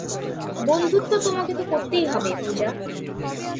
বন্ধুত্ব তোমাকে তো করতেই হবে, পূজা।